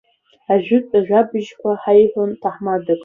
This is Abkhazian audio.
Ажәытә ажәабжьқәак ҳаиҳәон ҭаҳмадак.